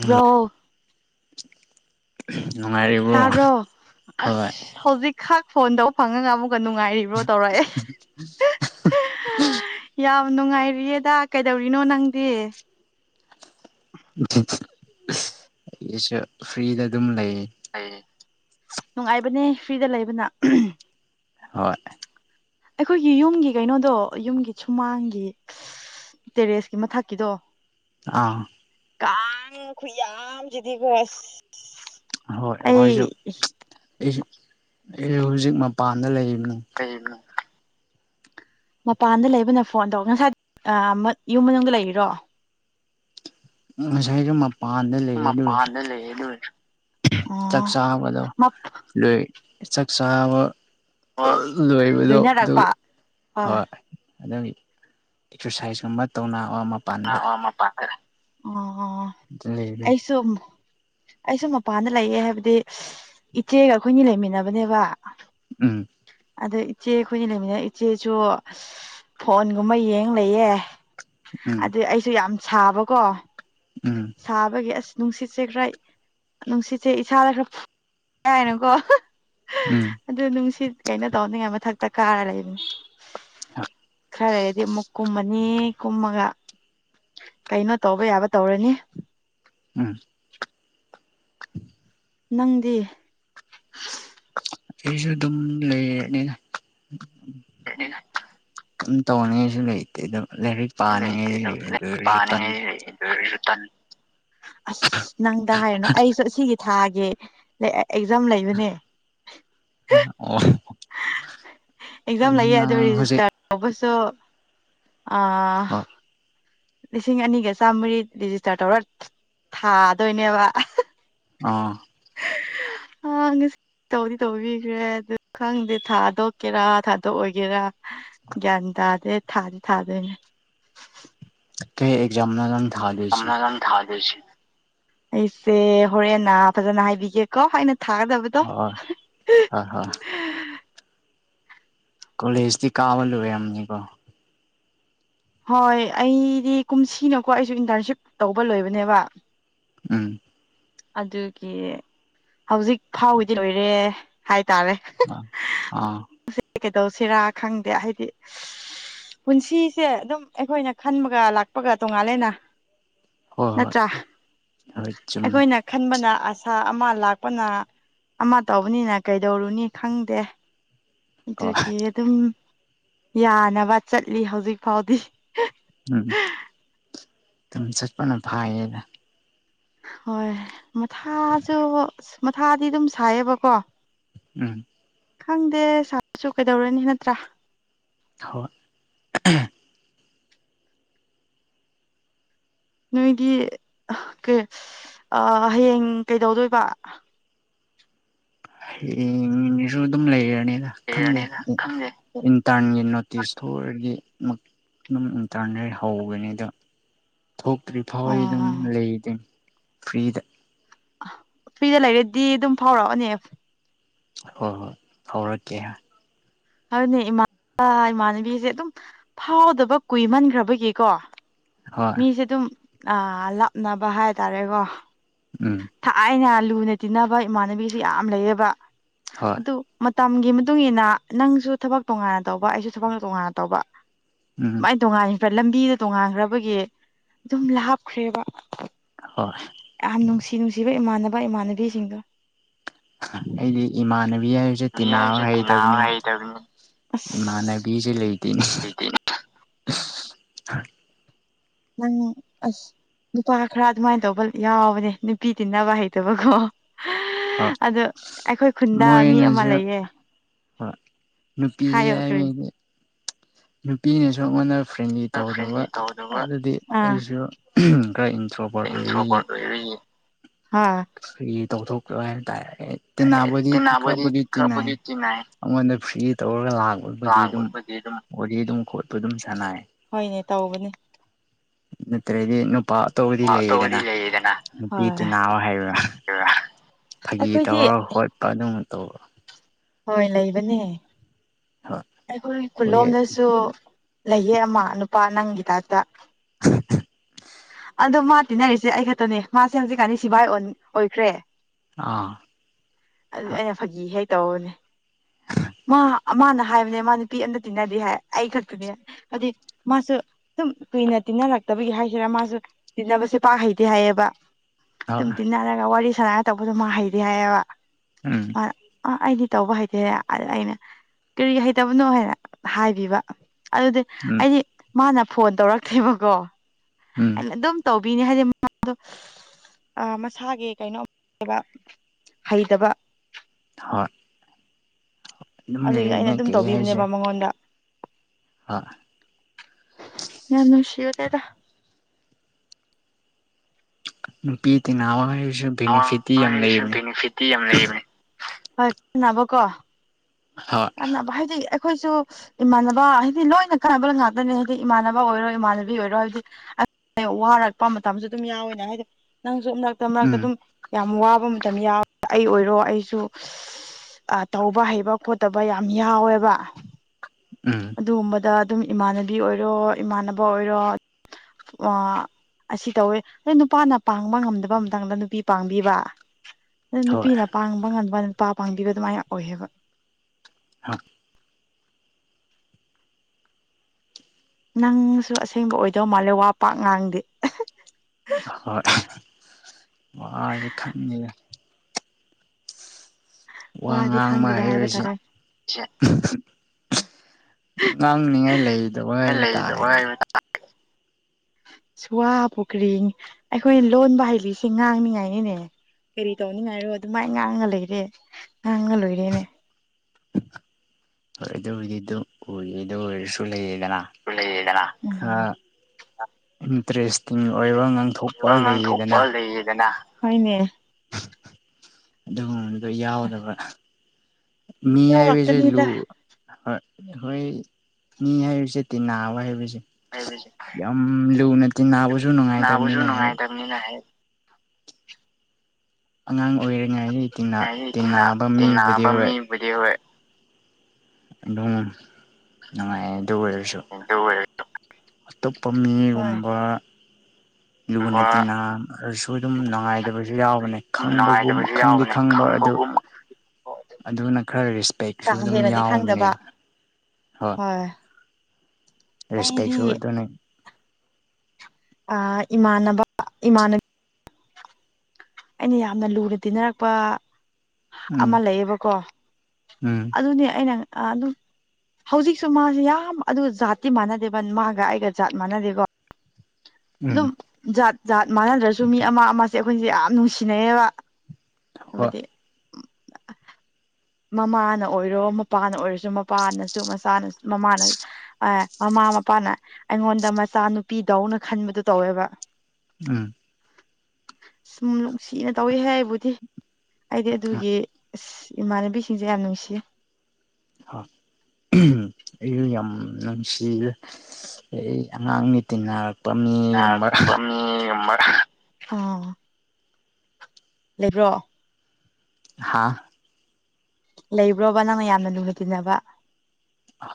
bro ꯎ ꯅꯨꯡꯉꯥꯏꯔꯤꯕꯔꯤꯕ꯭ꯔꯣꯅꯨꯡ ꯍꯣꯏ ꯁꯖꯤꯛ ꯈꯥꯛ ꯐꯣꯟꯗꯧ ꯐꯪꯉꯒ ꯑꯃꯨꯛꯀ ꯅꯨꯡꯉꯥꯏꯔꯤꯕ꯭ꯔꯣ ꯇꯧꯔꯛꯑꯦ ꯌꯥꯝ ꯅꯨꯡꯉꯥꯏꯔꯤꯌꯦꯗ ꯀꯩꯗꯧꯔꯤꯅꯣ ꯅꯪꯗꯤ ꯑꯩꯒꯤꯁꯨ ꯐ꯭ꯔꯤꯗ ꯑꯗꯨꯝ ꯂꯩꯌꯦ ꯅꯨꯡꯉꯥꯏꯕꯅꯦ ꯐ꯭ꯔꯤꯗ ꯂꯩꯕꯅ ꯍꯣꯏ ꯑꯩꯈꯣꯏꯒꯤ ꯌꯨꯝꯒꯤ ꯀꯩꯅꯣꯗꯣ ꯌꯨꯝꯒꯤ ꯁꯨꯃꯥꯡꯒꯤ ꯇꯦꯔꯦꯁꯀꯤ ꯃꯊꯛꯀꯤꯗꯣ ꯑꯥ ꯀꯥꯡ ꯈꯨꯌꯝ ꯁꯤꯗꯤꯀꯦ ꯑꯗ ꯑꯍꯣꯏ ꯑꯩꯈꯣꯏꯁꯨ ꯑꯩꯁꯨ ꯑꯩ ꯍꯧꯖꯤꯛ ꯃꯄꯥꯟꯗ ꯂꯩꯔꯤꯕꯅꯤ ꯀꯩꯅ ꯃꯄꯥꯟꯗ ꯂꯩꯕꯅ ꯐꯣꯟ ꯇꯧ ꯉꯁꯥꯏ ꯌꯨꯝ ꯃꯅꯨꯡꯗ ꯂꯩꯔꯤꯔꯣ ꯉꯁꯥꯏꯁꯨ ꯃꯄꯥꯟꯗ ꯂꯩꯌꯦ ꯑꯗꯨ ꯑꯣꯏꯔꯁꯨ ꯂꯩꯦ ꯑꯗꯨ ꯆꯥꯛ ꯆꯥꯕꯗꯣ ꯂꯣꯏ ꯆꯥꯛ ꯆꯥꯕ ꯍꯣꯏ ꯂꯣꯏꯕꯗꯣ ꯑꯗꯨ ꯂꯣꯏꯅꯔꯛꯄ ꯍꯣꯏ ꯑꯗꯨꯒꯤ ꯑꯦꯛꯁꯔꯁꯥꯏꯁꯀꯨꯝꯕ ꯇꯧꯅꯕ ꯃꯄꯥꯟꯗ ꯃꯄꯥꯟꯗ ꯑꯣ ꯂꯩꯕꯅꯤ ꯑꯩꯁꯨ ꯑꯩꯁꯨ ꯃꯄꯥꯟꯗ ꯂꯩꯌꯦ ꯍꯥꯏꯕꯗꯤ ꯏꯆꯦꯒ ꯑꯈꯣꯏꯅꯤ ꯂꯩꯃꯤꯟꯅꯕꯅꯦꯕ ꯎꯝ ꯑꯗꯣ ꯏꯆꯦ ꯑꯈꯣꯏꯅꯤ ꯂꯩꯃꯤꯟꯅ ꯏꯆꯦꯁꯨ ꯐꯣꯟꯒꯨꯝꯕ ꯌꯦꯡ ꯂꯩꯌꯦ ꯎꯝ ꯑꯗꯨ ꯑꯩꯁꯨ ꯌꯥꯝ ꯁꯥꯕꯀꯣ ꯎꯝ ꯁꯥꯕꯒꯤ ꯑꯁ ꯅꯨꯡꯁꯤꯠꯁꯦ ꯈꯔ ꯅꯨꯡꯁꯤꯠꯁꯦ ꯏꯁꯥꯗ ꯈꯔ [unintelligible] ꯎꯝ ꯑꯗꯨ ꯅꯨꯡꯁꯤꯠ ꯀꯩꯅꯣ ꯇꯧꯅꯤꯡꯉꯥꯏ ꯃꯊꯛꯇ ꯀꯥꯔ ꯂꯩꯕꯅꯤ ꯈꯔ ꯂꯩꯔꯗꯤ ꯑꯃꯨꯛ ꯀꯨꯝꯃꯅꯤ ꯀꯨꯝꯃꯒ ꯀꯩꯅꯣ ꯇꯧꯕ ꯌꯥꯕ ꯇꯧꯔꯅꯤ ꯎꯝ [inaudible] ꯅꯪꯗꯤ ꯑꯩꯖꯨ ꯑꯗꯨꯝ ꯂꯩꯑꯦꯅꯤ [inaudible] ꯇꯧꯅꯤꯡꯉꯥꯏꯁꯨ ꯂꯩꯇꯦꯗꯨ ꯂꯥꯏꯔꯤꯛ ꯂꯩꯇꯦ ꯄꯥꯅꯤꯡꯉꯩ ꯑꯗꯨꯝ ꯂꯩ ꯑꯗꯨ ꯑꯣꯏꯔꯁꯨ ꯇꯟ ꯄꯥꯅꯤꯡꯉꯥꯏꯗꯤ ꯂꯩ ꯑꯗꯨ ꯑꯁ ꯅꯪꯗ ꯍꯥꯏꯔꯅꯨ ꯑꯩꯁꯨ ꯁꯤꯒꯤ ꯊꯥꯒꯤ ꯑꯦꯛꯖꯥꯝ ꯂꯩꯕꯅꯦ ꯑꯣ ꯑꯦꯛꯖꯥꯝ ꯂꯩꯌꯦ ꯑꯗꯨ ꯅꯪ ꯍꯧꯖꯤꯛ ꯔꯦꯖꯤꯁꯇꯔ ꯇꯧꯕꯁꯨ ꯑꯥ ꯂꯤꯁꯤꯡ ꯑꯅꯤꯒ ꯆꯥꯝꯃꯔꯤ ꯔꯤꯖꯤꯁꯇꯔ ꯇꯧꯔ ꯊꯥꯗꯣꯏꯅꯦꯕ ꯑꯥ [inaudible] ꯍꯥ ꯉꯁꯤ ꯇꯧꯗꯤ ꯇꯧꯕꯤꯈ꯭ꯔꯦ ꯑꯗꯨ ꯈꯪꯗꯦ ꯊꯥꯗꯣꯛꯀꯦꯔꯥ ꯊꯥꯗꯣꯛꯑꯣꯏꯒꯦꯔꯥ ꯒ꯭ꯌꯥꯟ ꯇꯥꯗꯦ ꯊꯥꯗꯤ ꯊꯥꯗꯣꯏꯅꯦ ꯀꯔꯤ ꯑꯦꯛꯖꯥꯝ ꯅꯣ ꯅꯪ ꯊꯥꯗꯣꯏꯁꯤ ꯑꯩꯁꯦ ꯍꯣꯔꯦꯟꯅ ꯐꯖꯅ ꯍꯥꯏꯕꯤꯒꯦꯀꯣ ꯑꯩꯅ ꯊꯥꯒꯗꯕ ꯍꯣꯏ ꯍꯣꯏ ꯍꯣꯏ ꯀꯣꯂꯦꯖꯗꯤ ꯀꯥꯕ ꯂꯣꯢꯔꯝꯅꯤꯕꯣ ꯍꯣꯏ ꯑꯩꯗꯤ ꯀꯨꯝꯁꯤꯅꯀꯣ ꯑꯩꯁꯨ ꯏꯟꯇꯔꯟꯁꯤꯞ ꯇꯧꯕ ꯂꯣꯏꯕꯅꯦꯕ ꯎꯝ ꯑꯗꯨꯒꯤ ꯍꯧꯖꯤꯛ ꯐꯥꯎꯒꯤꯗꯤ ꯂꯣꯏꯔꯦ ꯍꯥꯏꯇꯥꯔꯦ ꯑꯥ ꯀꯩꯗꯧꯁꯤꯔꯥ ꯈꯪꯗꯦ ꯍꯥꯏꯗꯤ ꯄꯨꯟꯁꯤꯁꯦ ꯑꯗꯨꯝ ꯑꯩꯈꯣꯏꯅ ꯈꯟꯕꯒ ꯂꯥꯛꯄꯒ ꯇꯣꯉꯥꯜꯂꯦꯅ ꯍꯣꯏ ꯍꯣꯏ ꯅꯠꯇ꯭ꯔꯥ ꯍꯣꯏ ꯆꯨꯝꯃꯤ ꯑꯩꯈꯣꯏꯅ ꯈꯟꯕꯅ ꯑꯁꯥ ꯑꯃ ꯂꯥꯛꯄꯅ ꯑꯃ ꯇꯧꯕꯅꯤꯅ ꯀꯩꯗꯧꯔꯨꯅꯤ ꯈꯪꯗꯦ ꯍꯣꯏ ꯗꯨꯒꯤ ꯑꯗꯨꯝ ꯌꯥꯅꯕ ꯆꯠꯂꯤ ꯍꯧꯖꯤꯛ ꯐꯥꯎꯗꯤ ꯎꯝ ꯗꯨꯝ ꯆꯠꯄꯅ ꯐꯥꯏꯌꯦꯗ ꯍꯣꯏ ꯃꯊꯥꯁꯨ ꯃꯊꯥꯗꯤ ꯗꯨꯝ ꯁꯥꯏꯌꯦꯕꯀꯣ ꯎꯝ ꯈꯪꯗꯦ ꯁꯥꯔꯁꯨ ꯀꯩꯗꯧꯔꯨꯅꯤ ꯅꯠꯇ꯭ꯔꯥ ꯍ‌ꯣꯏ ꯅꯣꯏꯒ ꯑ ꯀꯩ ꯑꯥ ꯍꯌꯦꯡ ꯀꯩꯗꯧꯗꯣꯏꯕ ꯍꯌꯦꯡꯖꯨ ꯗꯨꯝ ꯂꯩꯔꯅꯤꯗ ꯈꯪꯗꯦ ꯂꯩꯔꯅꯤꯗ ꯈꯪꯗꯦ ꯎꯝ ꯇꯟꯒꯤ ꯅꯣꯇꯤꯁ ꯊꯣꯛꯑꯗꯤ ꯗꯨꯝ ꯅꯨꯡꯗꯥꯡꯗꯩ ꯍꯧꯔꯅꯤꯗ ꯊꯣꯛꯇ꯭ꯔꯤ ꯐꯥꯎꯗꯤ ꯗꯨꯝ ꯑꯣ ꯂꯩꯗ‌ꯣꯏꯅ‌ꯦ ꯐ꯭ꯔꯤꯗ ꯑ ꯐ꯭ꯔꯤꯗ ꯂꯩꯔꯗꯤ ꯗꯨꯝ ꯐꯥꯎꯔꯛꯑꯣꯅꯦ ꯍꯣꯏ ꯍꯣꯏ ꯐꯥꯎꯔꯛꯀꯦ ꯍ‌ꯣꯏꯅ‌ꯦ ꯏꯃꯥꯟ [unintelligible] ꯏꯃꯥꯟꯅꯕꯤꯖꯦ ꯗꯨꯝ ꯐꯥꯎꯗꯕ ꯀꯨꯏꯃꯟꯒ꯭ꯔꯕꯒꯤꯀꯣ ꯍꯣꯏ ꯃꯤꯁꯦ ꯗꯨꯝ ꯑꯥ ꯂꯥꯞꯅꯕ ꯍꯥꯏꯇꯥꯔꯦꯀ‌ꯣ ꯎꯝ ꯊꯥꯏꯅ ꯂꯨꯅ ꯇꯤꯟꯅꯕ ꯏꯃꯥꯟꯅꯕꯤꯁꯤ ꯌꯥꯝ ꯂꯩꯌꯦꯕ ꯍꯣꯏ ꯗꯨ ꯃꯇꯝꯒꯤ ꯃꯇꯨꯡ ꯏꯟꯅ ꯅꯪꯁꯨ ꯊꯕꯛ ꯇꯣꯉꯥꯟ ꯇꯧꯕ ꯑꯩꯁꯨ ꯊꯕꯛ ꯇꯣꯉꯥꯟꯅ ꯇꯧꯕ ꯎꯝ ꯃꯥꯏ ꯇꯣꯡꯉꯥꯟ ꯈ꯭ꯔ ꯂꯝꯕꯤꯗ ꯇꯣꯡꯉꯥꯟꯈ꯭ꯔꯕꯒꯤ ꯗꯨꯝ ꯂꯥꯞꯈ꯭ꯔꯦꯕ ꯍꯣꯏ ꯌꯥꯝ ꯅꯨꯡꯁꯤ ꯅꯨꯡꯁꯤꯕ ꯏꯃꯥꯟꯅꯕ ꯏꯃꯥꯟꯅꯕꯤꯁꯤꯡꯗꯣ ꯑꯩꯗꯤ ꯏꯃꯥꯟꯅꯕꯤ ꯍꯥꯏꯕꯁꯦ ꯇꯤꯟꯅꯥꯕ ꯍꯩꯇꯕꯅꯤꯅ‌ꯦ ꯍꯩ ꯇꯥꯕꯅꯤ ꯑꯁ ꯅꯕꯤꯁꯦ ꯂꯩꯇꯦꯅꯦ ꯑꯩꯗꯤ ꯅꯪ ꯑꯁ ꯅꯨꯄꯥ ꯈꯔ ꯑꯗꯨꯃꯥꯏꯅ ꯇꯧꯕ ꯌꯥꯎꯕꯅꯦ ꯅꯨꯄꯤ ꯇꯤꯟꯅꯕ ꯍꯩꯇꯕꯀꯣ ꯍꯣꯏ ꯑꯗꯣ ꯑꯩꯈꯣꯏ ꯈꯨꯟꯗ ꯃꯤ ꯑꯃ ꯃꯣꯏꯅꯁꯨ ꯂꯩꯌꯦ ꯍꯣꯏ ꯅꯨꯄꯤꯁꯦ ꯍꯥꯏꯌꯣ ꯀꯔꯤ ꯍꯥꯏꯕꯗꯤ ꯅꯨꯄꯤꯅꯁꯨ ꯑꯩꯉꯣꯟꯗ ꯐ꯭ꯔꯦꯟꯂꯤ ꯇꯧꯗꯕ ꯐ꯭ꯔꯦꯟꯂꯤ ꯇꯧꯗꯕ ꯑꯗꯨꯗꯤ ꯑꯥ ꯑꯩꯁꯨ ꯈꯔ ꯏꯟꯊ꯭ꯔꯣꯕꯔꯠ ꯑꯣꯏꯕꯒꯤ ꯍꯥꯥ ꯐꯥꯒꯤ ꯇ‌ꯧꯊ‌ꯣꯛꯄ ꯍꯥꯏ ꯇꯥꯔ‌ꯦ ꯍꯥꯏ ꯇꯤꯟꯅꯕꯨꯗꯤ ꯇꯤꯟꯅꯕꯗꯤ ꯈꯔꯕꯨꯗꯤ ꯇꯤꯟꯅꯩ ꯈꯔꯕꯨꯗꯤ ꯇꯤꯟꯅꯩ ꯑꯩꯉꯣꯟꯗ ꯐ꯭ꯔꯤ ꯇꯧꯔꯒ ꯂꯥꯛꯄꯕꯨꯗꯤ ꯑꯗꯨꯝ ꯂꯥꯡꯕꯕꯨꯗꯤ ꯑꯗꯨꯝ ꯋꯥꯔꯤꯗꯤ ꯑꯗꯨꯝ ꯈꯣꯠꯄ ꯑꯗꯨꯝ ꯁꯥꯟꯅꯩ ꯍꯣꯏꯅꯦ ꯇꯧꯕꯅꯦ ꯅꯠꯇ꯭ꯔꯥꯗꯤ ꯅꯨꯄꯥ ꯑꯇꯧꯞꯄꯗꯤ ꯋꯥ ꯑꯇꯧꯕꯗꯤ ꯂꯩꯌꯦꯗꯅ ꯂꯩꯌꯦꯗꯅ ꯅꯨꯄꯤ ꯍꯣꯏ ꯇꯤꯟꯅꯕ ꯍꯩꯕ ꯐꯥꯒꯤ ꯑꯩꯈꯣꯏꯗꯤ ꯇꯧꯔ ꯈ‌ꯣꯠꯄ ꯑꯗꯨꯝ ꯇꯧꯕ ꯍꯣꯏ ꯂꯩꯕꯅꯦ ꯍꯣꯏ ꯑꯩꯈꯣꯏ ꯍꯣꯏ ꯈꯨꯟꯂꯣꯝꯗꯁꯨ ꯂꯩꯌꯦ ꯑꯃ ꯅꯨꯄꯥ ꯅꯪꯒꯤ ꯇꯥꯏꯞꯇ ꯑꯗꯨ ꯃꯥ ꯇꯤꯟꯅꯔꯤꯁꯦ ꯑꯩ ꯈꯛꯇꯅꯦ ꯃꯥꯁꯦ ꯍꯧꯖꯤꯛꯀꯥꯟꯗꯤ ꯁꯤꯚꯥꯏ ꯑꯣꯟ ꯑꯣꯏꯈ꯭ꯔꯦ ꯑꯥ ꯑ ꯑꯗꯥ ꯑꯩꯅ ꯐꯥꯒꯤ ꯍꯦꯛ ꯇꯧꯕꯅꯦ ꯃꯥ ꯃꯥꯅ ꯍꯥꯏꯕꯅꯦ ꯃꯥ ꯅꯨꯄꯤ ꯑꯝꯇ ꯇꯤꯟꯅꯗꯦ ꯍꯥꯏ ꯑꯩ ꯈꯛꯇꯅꯦ ꯍꯥꯏꯕꯗꯤ ꯃꯥꯁꯨ ꯑꯗꯨꯝ ꯀꯨꯏꯅ ꯇꯤꯟꯅꯔꯛꯇꯕꯒꯤ ꯍꯥꯏꯁꯤꯔꯥ ꯃꯥꯁꯨ ꯇꯤꯟꯅꯕꯁꯦ ꯄꯥꯛ ꯍꯩꯇꯦ ꯍꯥꯏꯌꯦꯕ ꯑꯗꯨꯝ ꯍꯣꯏ ꯇꯤꯟꯅꯔꯒ ꯋꯥꯔꯤ ꯁꯥꯟꯅꯔ ꯇꯧꯕꯗꯣ ꯃꯥ ꯍꯩꯇꯦ ꯍꯥꯏꯌꯦꯕ ꯎꯝ ꯑꯥ ꯑꯩꯗꯤ ꯇꯧꯕ ꯍꯩꯇꯦ ꯑ ꯑꯩꯅ ꯀ꯭ꯔꯤꯒꯤ ꯍꯩꯇꯕꯅꯣ ꯍꯥꯏꯔ ꯍꯥꯏꯕꯤꯕ ꯑꯗꯨꯗ ꯎꯝ ꯑꯩꯗꯤ ꯃꯥꯅ ꯐꯣꯟ ꯇꯧꯔꯛꯇꯦꯕꯀꯣ ꯎꯝ ꯑꯩꯅ ꯑꯗꯨꯝ ꯇꯧꯕꯤꯅꯦ ꯍꯥꯏꯗꯤ ꯃꯥꯗꯣ ꯑ ꯃꯁꯥꯒꯤ ꯀꯩꯅꯣ [unintelligible] ꯍꯩꯇꯕ ꯍꯣꯏ ꯗꯨꯝ ꯑꯗꯨꯒꯤ ꯑꯩꯅ ꯂꯩꯌꯦꯅꯦ ꯑꯗꯨꯝ ꯀꯩ ꯍꯥꯏꯖꯦ ꯇꯧꯕꯤꯕꯅꯦꯕ ꯃꯉꯣꯟꯗ ꯍꯣꯏ ꯌꯥꯝ ꯅꯨꯡꯁꯤꯕꯅꯦꯗ ꯅꯨꯄꯤ ꯇꯤꯟꯅꯥꯕ ꯍꯥꯏꯕꯁꯦ ꯑꯥ ꯃꯣꯏꯒꯤꯁꯦ ꯕꯤꯅꯤꯐꯤꯠꯇꯤ ꯌꯥꯝ ꯂꯩꯕꯅꯦ [unintelligible] [unintelligible] ꯀꯥꯟꯅꯕ ꯍꯥꯏꯗꯤ ꯑꯩꯈꯣꯏꯁꯨ ꯏꯃꯥꯟꯅꯕ ꯍꯥꯏꯗꯤ ꯂꯣꯏꯅ ꯀꯥꯟꯅꯕ ꯉꯥꯛꯇꯅꯦ ꯍꯥꯏꯗꯤ ꯏꯃꯥꯟꯅꯕ ꯑꯣꯏꯔꯣ ꯏꯃꯥꯟꯅꯕꯤ ꯑꯣꯏꯔꯣ ꯍꯥꯏꯕꯗꯤ ꯋꯥꯔꯛꯄ ꯃꯇꯝꯖꯨ ꯗꯨꯝ ꯌꯥꯎꯋꯦꯅ ꯍꯥꯏꯗꯤ ꯅꯪꯖꯨ ꯃꯔꯛꯇ ꯃꯔꯛꯇ ꯎꯝ ꯗꯨꯝ ꯌꯥꯝ ꯋꯥꯕ ꯃꯇꯝ ꯌꯥꯎ ꯑꯩ ꯑꯣꯏꯔꯣ ꯑꯩꯖꯨ ꯑꯥ ꯇꯧꯕ ꯍꯩꯕ ꯈꯣꯠ ꯇꯕ ꯌꯥꯝ ꯌꯥꯎꯋꯦꯕ ꯎꯝ ꯗꯨꯒꯨꯝꯕꯗ ꯑꯗꯨꯝ ꯏꯃꯥꯟꯅꯕꯤ ꯑꯣꯏꯔꯣ ꯏꯃꯥꯟꯅꯕ ꯑꯣꯏꯔꯣꯠ ꯑꯥ ꯑꯁꯤ ꯇꯧꯋꯦ ꯑꯩ ꯅꯨꯄꯥꯅ ꯄꯥꯡꯕ ꯉꯝꯗꯕ ꯃꯇꯥꯡꯗ ꯅꯨꯄꯤ ꯄꯥꯡꯕꯤꯕ ꯑꯗꯨ ꯍꯣꯏ ꯅꯨꯄꯤꯅ ꯄꯥꯡꯕ ꯉꯟꯕ ꯅꯨꯄꯥ ꯄꯥꯡꯕꯤꯕ ꯑꯗꯨꯃꯥꯏꯅ ꯑꯣꯏꯌꯦꯕ ꯍ ꯅꯪꯁꯨ ꯑꯁꯦꯡꯕ ꯑꯣꯏꯗꯧ ꯃꯥꯜꯂꯦ ꯋꯥ ꯄꯥꯛ ꯉꯥꯡꯗꯦ ꯍꯣꯏ ꯋꯥꯅꯤ ꯈꯪꯉꯤꯗ ꯋꯥ ꯋꯥꯗꯤ ꯉꯥꯡꯕ ꯈꯪꯗꯦꯗ ꯍꯥꯏꯕ ꯍꯥꯏꯔꯤꯁꯦ ꯇꯥꯔꯦ ꯉꯥꯡꯅꯤꯉꯥꯏ ꯂꯩꯗꯕ ꯍꯥꯏꯕ ꯂꯩꯗꯕ ꯇꯥꯔꯦꯅꯦ [unintelligible] ꯁ ꯋꯥꯕꯨ ꯀꯔꯤꯡ ꯑꯩꯈꯣꯏ ꯂꯣꯟꯕ ꯍꯩꯂꯤꯁꯦ ꯉꯥꯡꯅꯤꯉꯥꯏꯅꯤꯅꯦ ꯀꯔꯤ ꯇꯧꯅꯤꯉꯥꯏꯔꯣ ꯗꯨꯃꯥꯏ ꯉꯥꯡꯉ ꯂꯩꯔꯦ ꯉꯥꯡꯉ ꯂꯣꯏꯔꯦꯅꯦ ꯍꯣꯢ ꯑꯗꯨꯕꯨꯗꯤ ꯑꯗꯨꯝ ꯑꯣꯏꯔꯦ ꯗꯨꯑꯣꯏꯔꯁꯨ ꯂꯩꯌꯦꯗꯅ ꯂꯩꯌꯦꯗꯅꯥ ꯎꯝ ꯎꯝ ꯈꯔ ꯏꯟꯇꯔꯦꯁꯇꯤꯡ ꯑꯣꯏꯕ ꯉꯥꯡꯊꯣꯛꯄ ꯋꯥ ꯉꯥꯡꯊꯣꯛꯄ ꯂꯩꯌꯦꯗꯅ ꯂꯩꯌꯦꯗꯅ ꯍꯣꯢꯅꯦ ꯑꯗꯨꯒꯨꯝꯕꯗꯣ ꯌꯥꯎꯗꯕ ꯃꯤ ꯍꯥꯏꯕꯖꯦ ꯌꯧꯔꯛꯀꯅꯤꯗ ꯂꯨ ꯑꯍꯣꯏ ꯑꯩꯈꯣꯏ ꯃꯤ ꯍꯥꯏꯕꯁꯦ ꯇꯤꯟꯅꯥꯕ ꯍꯥꯏꯕꯁꯦ ꯍꯥꯏꯕꯁꯦ ꯌꯥꯝ ꯂꯨꯅ ꯇꯤꯟꯅꯥꯕꯁꯨ ꯅꯨꯉꯥꯏꯇꯕꯅꯤꯅ ꯍꯦꯛ ꯅꯤꯅꯥ ꯍꯦꯛ ꯑꯉꯥꯡ ꯑꯣꯏꯔꯤꯉꯥꯏꯗꯤ ꯇꯤꯟꯅꯥ ꯇꯤꯟꯅꯥꯕꯥ ꯃꯤꯕꯨꯗꯤ ꯍꯣꯏ ꯕꯨꯗꯤ ꯍꯣꯏ ꯑꯗꯨꯝ ꯅꯨꯉꯥꯏꯌꯦ ꯑꯗꯨ ꯑꯣꯏꯔꯁꯨ ꯗꯨꯑꯣꯏꯔꯦ ꯑꯇꯣꯞꯄ ꯃꯤꯒꯨꯝꯕ ꯂꯨꯅ ꯒꯨꯝꯕ ꯇꯤꯟꯅꯥꯔꯁꯨ ꯑꯗꯨꯝ ꯅꯨꯉꯥꯏꯗꯕꯁꯨ ꯌꯥꯎꯕꯅꯦ ꯈꯪꯕꯒꯨꯝ ꯅꯨꯡꯉꯥꯏꯇꯕꯁꯨ ꯈꯪꯗꯤ ꯌꯥꯎꯕꯅꯦ ꯈꯪꯕ ꯑꯗꯨ ꯈꯪꯕꯒꯨꯝ ꯀꯥ ꯑꯗꯨꯅ ꯈꯔ ꯔꯤꯁꯄꯦꯛꯁꯨ ꯑꯗꯨꯝ ꯌꯥꯎꯕꯅꯦꯗ ꯍꯣꯏ ꯔꯦꯁꯄꯦꯛꯁꯨꯨ ꯑꯗꯨꯅꯤ ꯑ ꯏꯃꯥꯟꯅꯕ ꯏꯃꯥꯟꯅ ꯑꯩꯅ ꯌꯥꯝꯅ ꯂꯨꯅ ꯇꯤꯟꯅꯔꯛꯄ ꯑꯃꯥ ꯎꯝ ꯂꯩꯌꯦꯕꯀꯣ ꯎꯝ ꯑꯗꯨꯅꯦ ꯑꯩꯅꯥ ꯑꯗꯨꯝ ꯍꯧꯖꯤꯛꯁꯨ ꯃꯥꯁꯦ ꯌꯥꯝ ꯑꯗꯨ ꯖꯥꯠꯇꯤ ꯃꯥꯟꯅꯗꯦꯕ ꯃꯥꯒꯥ ꯑꯩꯒꯥ ꯖꯥꯠ ꯃꯥꯟꯅꯗꯦꯀꯣ ꯎꯝ ꯑꯗꯨꯝ ꯖꯥꯠ ꯖꯥꯠ ꯃꯥꯟꯅꯗ꯭ꯔꯁꯨ ꯃꯤ ꯑꯃ ꯑꯃꯁꯦ ꯑꯩꯈꯣꯏꯁꯦ ꯌꯥꯝ ꯅꯨꯡꯁꯤꯅꯩꯌꯦꯕꯥ ꯍꯣꯏ [unintelligible] ꯃꯃꯥꯅ ꯑꯣꯏꯔꯣ ꯃꯄꯥꯅ ꯑꯣꯏꯔꯁꯨ ꯃꯄꯥꯅꯁꯨ ꯃꯆꯥꯅ ꯃꯃꯥꯅꯥ ꯑꯦ ꯃꯃꯥ ꯃꯄꯥꯅ ꯑꯩꯉꯣꯟꯗ ꯃꯆꯥ ꯅꯨꯨꯄꯤꯗꯧꯅ ꯈꯟꯕꯗꯨ ꯇꯧꯋꯦꯕꯥ ꯎꯝ [unintelligible] ꯁꯨꯝ ꯅꯨꯡꯁꯤꯅ ꯇꯧꯋꯤ ꯍꯩ ꯕꯨꯗꯤ ꯑꯩꯗꯤ ꯑꯗꯨꯒꯤ ꯏꯁ ꯏꯃꯥꯟꯅꯕꯤꯁꯤꯡꯁꯦ ꯌꯥꯝ ꯅꯨꯡꯁꯤꯌꯦ ꯑ ꯎꯝ ꯑꯩꯖꯨ ꯌꯥꯝ ꯅꯨꯪꯁꯤꯌꯦ ꯑꯩ ꯑꯉꯥꯡꯅꯤ ꯇꯤꯟꯅꯔ [unintelligible] [unintelligible] [unintelligible] ꯍꯥꯥ ꯂꯩꯕ꯭ꯔꯣꯕ ꯅꯪꯅꯥ ꯌꯥꯝꯅꯥ ꯂꯨꯅꯤ ꯇꯤꯟꯅꯕ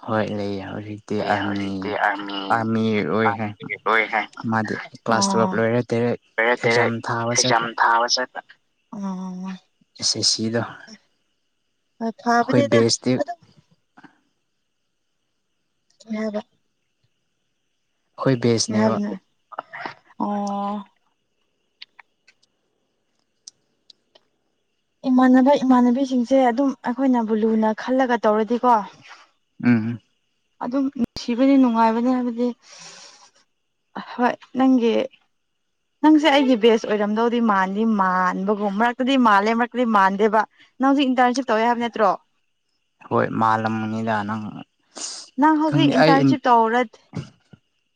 ꯍꯣꯏ ꯂꯩꯌꯦ ꯍꯧꯖꯤꯛꯇꯤ ꯑꯩ ꯑꯥꯔꯃꯤ ꯍꯧꯖꯤꯛꯇꯤ ꯑꯥꯔꯃꯤ ꯑꯥꯔꯃꯤ ꯑꯣꯏꯈ꯭ꯔꯦ ꯑꯥꯔꯃꯤꯒꯤ ꯂꯣꯏ ꯍꯥꯏ ꯃꯥꯗꯤ ꯀ꯭ꯂꯥꯁ ꯇꯨꯋꯦꯜꯕ ꯑꯣ ꯂꯣꯏꯔꯦ [unintelligible] ꯑꯦꯛꯖꯥꯝ ꯊꯥꯕꯁꯤ ꯖꯥꯝ ꯊꯥꯕ ꯆꯠꯄꯥ [unintelligible] ꯢꯁ ꯢꯁ ꯁꯤꯗꯣ ꯍꯣꯏ ꯑꯩꯈꯣꯏ ꯐꯥꯕꯅꯤꯗꯥ ꯕꯦꯁꯇꯤ ꯑꯗꯨꯝ [unintelligible] ꯑꯩꯈꯣꯏ [unintelligible] ꯕꯦꯁꯅꯦꯕ ꯍꯥꯏꯕꯅꯣ ꯑꯣ ꯏꯃꯥꯟꯅꯕ ꯏꯃꯥꯟꯅꯕꯤꯁꯤꯡꯁꯦ ꯑꯗꯨꯝ ꯑꯩꯈꯣꯏꯅꯕꯨ ꯂꯨꯅ ꯈꯜꯂꯒꯥ ꯇꯧꯔꯗꯤꯀꯣ ꯎꯝ ꯑꯗꯨꯝ [unintelligible] ꯅꯨꯡꯉꯥꯏꯕꯅꯤ ꯍꯥꯏꯕꯗꯤ ꯑꯍꯣꯏ ꯅꯪꯒꯤ ꯅꯪꯁꯦ ꯑꯩꯒꯤ ꯕꯦꯁ ꯑꯣꯏꯔꯝꯗꯧꯗꯤ ꯃꯥꯟꯗꯤ ꯃꯥꯟꯕꯒꯨꯝ ꯃꯔꯛꯇꯗꯤ ꯃꯥꯜꯂꯦ ꯃꯔꯛꯇꯗꯤ ꯃꯥꯟꯗꯦꯕꯥ ꯅꯪꯁꯨ ꯏꯟꯇꯔꯟꯁꯤꯞ ꯇꯧꯋꯦ ꯍꯥꯏꯕ ꯅꯠꯇ꯭ꯔꯣ ꯍꯣꯏ ꯃꯥꯜꯂꯝꯅꯤꯗ ꯅꯪ ꯅꯪ ꯈꯪꯗꯦ ꯍꯧꯖꯤꯛ ꯑꯩ ꯏꯟꯇꯔꯟꯁꯤꯞ ꯑꯣ ꯇꯧꯔꯗꯤ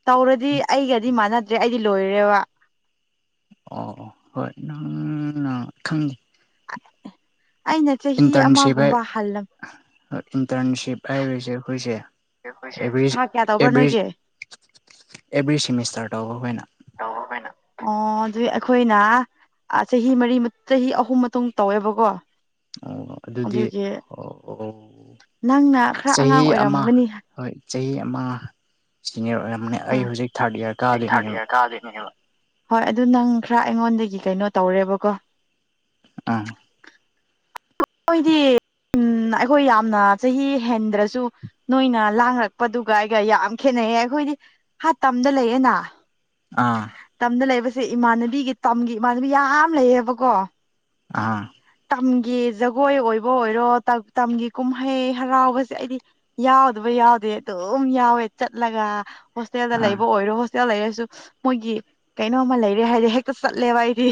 ꯇꯧꯔꯗꯤ ꯑꯩꯒꯗꯤ ꯃꯥꯟꯅꯗ꯭ꯔꯦ ꯑꯩꯗꯤ ꯂꯣꯏꯔꯦꯕꯥ ꯑꯣ ꯍꯣꯏ ꯅꯪꯅ ꯈꯪꯉꯤ ꯑꯩꯅ ꯆꯍꯤ ꯏꯟꯇꯔꯟꯁꯤꯞ ꯑꯃꯒꯨꯝꯕ ꯍꯜꯂꯛ ꯏꯟꯇꯔꯟꯁꯤꯞ ꯍꯥꯏꯔꯤꯁꯦ ꯑꯩꯈꯣꯏꯁꯦ ꯑꯩꯈꯣꯏꯁꯦ ꯊꯥ ꯀꯌꯥ ꯇꯧꯕ꯭ꯔꯥ ꯑꯦꯚ꯭ꯔꯤ ꯅꯣꯏꯒꯤ [unintelligible] ꯑꯦꯚ꯭ꯔꯤ ꯁꯦꯃꯤꯁꯇꯔ ꯇꯕ ꯑꯩꯈꯣꯢꯅ [inaudible] ꯑꯣ ꯑꯗꯨ ꯑꯩꯈꯣꯏꯅ ꯆꯍꯤ ꯃꯔꯤ ꯆꯍꯤ ꯑꯍꯨꯝ ꯃꯇꯨꯡ ꯇꯧꯋꯦꯕꯀꯣ ꯑꯣ ꯑꯗꯨꯗꯤ ꯑꯗꯨꯒꯤ ꯑꯣ ꯅꯪꯅ ꯈꯔꯥ ꯑꯉꯥꯡ ꯆꯍꯤ ꯑꯃ ꯑꯣꯏꯔꯝꯒꯅꯤ ꯍꯣꯏ ꯆꯍꯤ ꯑꯃ ꯁꯤꯅꯤꯌꯔ ꯑꯣꯏꯔꯝꯃꯅꯦ ꯑꯩ ꯍꯧꯖꯤꯛ ꯊꯥꯔꯠ ꯏꯌꯥ꯭ꯔ ꯀꯥꯗꯣꯏꯅꯦꯕ [unintelligible] ꯍꯣꯏ ꯑꯗꯨ ꯅꯪ ꯈ꯭ꯔꯥ ꯑꯩꯉꯣꯟꯗꯒꯤ ꯀꯩꯅꯣ ꯇꯧꯔꯦꯕꯀꯣ ꯥ [inaudible] ꯑꯩꯈꯣꯏꯗꯤ ꯑꯩꯈꯣꯏ ꯌꯥꯝꯅ ꯆꯍꯤ ꯍꯦꯟꯗ꯭ꯔꯥꯁꯨ ꯅꯣꯏꯅ ꯂꯥꯡꯔꯛꯄꯗꯨꯒ ꯑꯩꯒ ꯌꯥꯝ ꯈꯦꯠꯅꯩꯌꯦ ꯑꯩꯈꯣꯏꯗꯤ ꯍꯥ ꯇꯝꯗ ꯂꯩꯌꯦꯅ ꯑꯥ ꯇꯝꯗ ꯂꯩꯕꯁꯦ ꯏꯃꯥꯟꯅꯕꯤꯒꯤ ꯇꯝꯒꯤ ꯏꯃꯥꯟꯅꯕꯤ ꯌꯥꯝ ꯂꯩꯌꯦꯕꯀꯣ ꯑꯥ ꯇꯝꯒꯤ ꯖꯒꯣꯏ ꯑꯣꯏꯕ ꯑꯣꯏꯔꯣ ꯇꯝꯒꯤ ꯀꯨꯝꯍꯩ ꯍꯔꯥꯎꯕꯁꯦ ꯑꯩꯗꯤ ꯌꯥꯎꯗꯕ ꯌꯥꯎꯗꯦ ꯑꯗꯨꯝ ꯌꯥꯎꯋꯦ ꯆꯠꯂꯒ ꯍꯣꯁꯇꯦꯜꯗ ꯑꯥ ꯂꯩꯕ ꯑꯣꯏꯔꯣ ꯍꯣꯁꯇꯦꯜ ꯂꯩꯔꯁꯨ ꯃꯣꯏꯒꯤ ꯀꯩꯅꯣꯝꯃ ꯂꯩꯔꯦ ꯍꯥꯏꯗꯤ ꯍꯦꯛꯇ ꯆꯠꯂꯦꯕ ꯑꯩꯗꯤ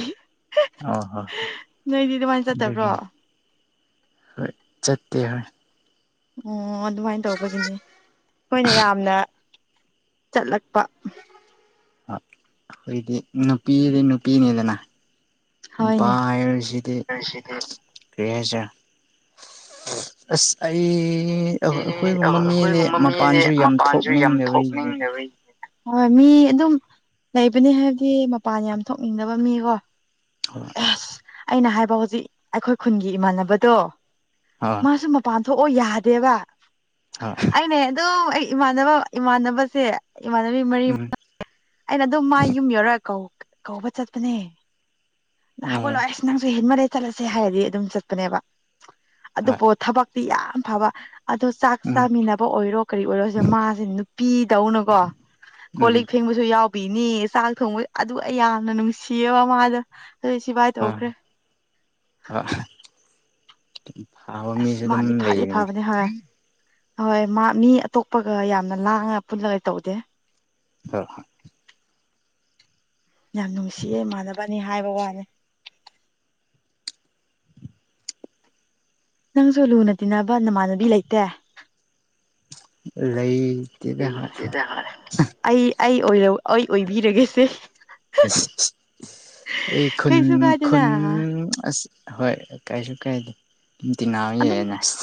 ꯑꯣ ꯍꯣꯏ ꯅꯣꯏꯗꯤ ꯑꯗꯨꯃꯥꯏꯅ ꯆꯠꯇꯕ꯭ꯔꯣ ꯑꯗꯨꯒꯤꯅꯤ ꯑꯣ ꯍꯣꯏ ꯆꯠꯇꯦ ꯍꯣꯏ ꯑꯣ ꯑꯗꯨꯃꯥꯏꯅ ꯇꯧꯕꯒꯤꯅꯦ ꯑꯩꯈꯣꯏꯅ ꯌꯥꯝꯅ ꯆꯠꯂꯛꯄ ꯑꯩꯈꯣꯏꯗꯤ ꯅꯨꯄꯤꯗꯤ ꯅꯨꯄꯤꯅꯤꯗꯅ ꯅꯨꯄꯥ ꯍꯣꯏꯅꯦ ꯍꯥꯏ ꯁꯤꯗꯤ ꯑꯗꯨꯁꯤꯗꯤ ꯀꯩꯍꯥꯏꯁꯤꯔ ꯑꯁ ꯑꯩ ꯑꯦ ꯑꯩꯈꯣꯏꯒꯨꯝꯕ ꯃꯤꯗꯤ ꯑꯩꯈꯣꯏꯒꯨꯝꯕ ꯃꯤꯗꯤ ꯃꯄꯥꯟꯁꯨ ꯌꯥꯝ ꯃꯄꯥꯟꯁꯨ ꯌꯥꯝ ꯊꯣꯛꯅꯤꯡꯗꯕꯔꯤꯅꯤꯗ ꯊꯣꯛꯅꯤꯡꯗꯕꯒꯤ ꯍꯣꯏ ꯃꯤ ꯑꯗꯨꯝ ꯂꯩꯕꯅꯤ ꯍꯥꯏꯕꯗꯤ ꯃꯄꯥꯟ ꯌꯥꯝ ꯊꯣꯛꯅꯤꯡꯗꯕ ꯃꯤꯀꯣ ꯍꯣꯏ ꯑꯦꯁ ꯑꯩꯅ ꯍꯥꯏꯕ ꯍꯧꯖꯤꯛ ꯑꯩꯈꯣꯏ ꯈꯨꯟꯒꯤ ꯏꯃꯥꯟꯅꯕꯗꯣ ꯍꯣꯏ ꯃꯥꯁꯨ ꯄꯥꯟꯊꯣꯛꯑꯣ ꯌꯥꯗꯦꯕ ꯍꯣꯏ ꯑꯩꯅꯦ ꯑꯗꯨꯝ ꯑꯩ ꯏꯃꯥꯟꯅꯕ ꯏꯃꯥꯟꯅꯕꯁꯦ ꯏꯃꯥꯟꯅꯕꯤ ꯃꯔꯤ ꯎꯝ ꯃꯉꯥ ꯑꯩꯅ ꯑꯗꯨꯝ ꯃꯥꯏ ꯌꯨꯝ ꯌꯧꯔꯒ ꯀꯧ ꯀꯧꯕ ꯆꯠꯄꯅꯦ ꯍꯧꯒꯠꯂꯣ ꯎꯝ ꯑꯁ ꯅꯥꯡꯁꯨ ꯍꯦꯟ ꯃꯂꯦ ꯆꯠꯂꯁꯦ ꯍꯥꯏꯔꯗꯤ ꯑꯗꯨꯝ ꯆꯠꯄꯅꯦꯕ ꯍꯣꯏ ꯑꯗꯨꯕꯨ ꯊꯕꯛ ꯇꯤ ꯌꯥꯝ ꯐꯕ ꯑꯗꯣ ꯆꯥꯛ ꯎꯝ ꯆꯥꯃꯤꯟꯅꯕ ꯑꯣꯏꯔꯣ ꯀꯔꯤ ꯑꯣꯏꯔꯣꯁꯤꯗ ꯃꯥꯁꯦ ꯅꯨꯄꯤꯗꯧꯅꯀꯣ ꯀꯣꯜ ꯎꯝ ꯂꯤꯛ ꯐꯦꯡꯕ ꯑꯗꯨ ꯌꯥꯎꯕꯤꯅꯤ ꯆꯥꯛ ꯊꯣꯡꯕ ꯑꯗꯨ ꯑꯩ ꯌꯥꯝꯅ ꯅꯨꯡꯁꯤꯌꯦꯕ ꯃꯥꯗ ꯑꯗꯨ ꯁꯤꯚꯥꯏ ꯇꯧꯈ꯭ꯔꯦ ꯍ ꯐꯥꯕ ꯑꯁ ꯃꯤꯁꯨ ꯑꯗꯨꯝ ꯃꯥꯗꯤ ꯐꯗꯤ ꯂꯩꯕꯅꯦ ꯐꯕꯅꯦ ꯍꯣꯏ ꯍꯣꯏ ꯃꯥ ꯃꯤ ꯑꯇꯣꯞꯄꯒ ꯌꯥꯝꯅ ꯂꯥꯡꯉ ꯄꯨꯜꯂꯒ ꯇꯧꯗꯦ ꯍ ꯍ ꯌꯥꯝ ꯅꯨꯡꯁꯤꯌꯦ ꯏꯃꯥꯟꯅꯕꯅꯤ ꯍꯥꯏꯕ ꯋꯥꯅꯦ ꯅꯪꯁꯨ ꯂꯨꯅ ꯇꯤꯟꯅꯕ ꯅꯃꯥꯟꯅꯕꯤ ꯂꯩꯇꯦ ꯂꯩꯏꯇꯦꯗꯦ [inaudible] ꯑꯩ ꯑꯩ ꯑꯣꯏꯔ ꯑꯩ ꯑꯣꯏꯕꯤꯔꯒꯦꯁꯦ ꯑꯩ ꯈꯨꯟ ꯀꯩꯁꯨ ꯀꯥꯏꯗꯦꯅ ꯈꯨꯟ ꯑꯁ ꯍꯣꯏ ꯀꯩꯁꯨ ꯀꯥꯏꯗꯦ ꯇꯤꯅꯥꯎ ꯑꯗꯨꯝ ꯌꯦꯛꯉꯁ